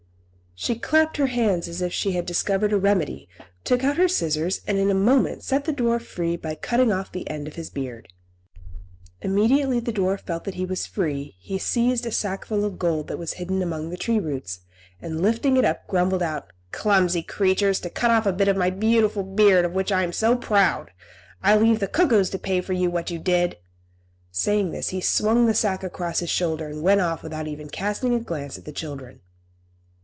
She clapped her hands as if she had discovered a remedy, took out her scissors, and in a moment set the dwarf free by cutting off the end of his beard. Immediately the dwarf felt that he was free he seized a sackful of gold that was hidden among the tree roots, and, lifting it up, grumbled out, "Clumsy creatures, to cut off a bit of my beautiful beard, of which I am so proud! I leave the cuckoos to pay you for what you did." Saying this, he swung the sack across his shoulder and went off without even casting a glance at the children.